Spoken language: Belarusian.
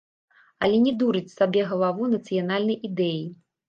Але не дурыць сабе галаву нацыянальнай ідэяй.